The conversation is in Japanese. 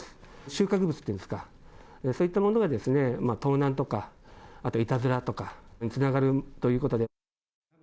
収穫物っていうんですか、そういったものが盗難とか、あといたずらとか、そういったことにつながるということで。